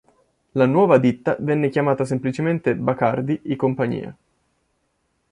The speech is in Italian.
La nuova ditta venne chiamata semplicemente Bacardi y Compañía.